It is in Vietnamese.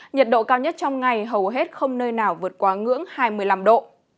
nhiệt độ cao nhất trong ngày hầu hết không nơi nào vượt quá ngưỡng hai mươi năm độ